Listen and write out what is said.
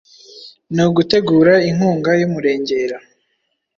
ni ugutera inkunga y’umurengera